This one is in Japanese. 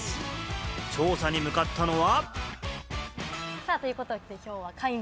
調査に向かったのは。